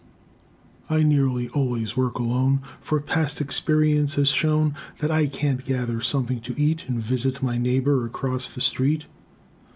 * "I nearly always work alone; For past experience has shown That I can't gather something to eat, And visit my neighbor across the street.